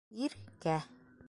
Ир кә.